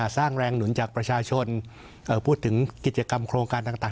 สร้างแรงหนุนจากประชาชนพูดถึงกิจกรรมโครงการต่าง